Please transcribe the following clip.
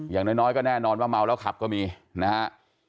อย่างน้อยก็แน่นอนว่าเมาแล้วขับก็มีนะฮะ